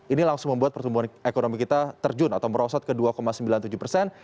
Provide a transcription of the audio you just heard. ini langsung membuat pertumbuhan ekonomi kita terjun atau merosot ke dua sembilan puluh tujuh persen